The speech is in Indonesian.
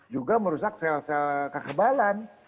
juga merusak sel sel kekebalan